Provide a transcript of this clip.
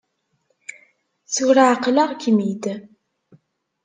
Tura ɛeqleɣ-kem-id.